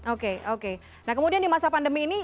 oke oke nah kemudian di masa pandemi ini